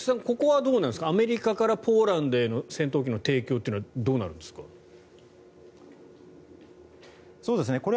ここはどうなんですかアメリカからポーランドへの戦闘機の提供はどうなるんですか？